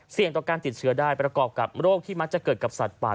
ต่อการติดเชื้อได้ประกอบกับโรคที่มักจะเกิดกับสัตว์ป่า